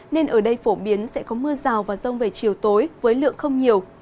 nên ở đây phổ biến sẽ có mưa rào và rông về chiều tối với lượng không nhiều